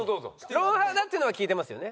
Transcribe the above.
『ロンハー』だっていうのは聞いてますよね？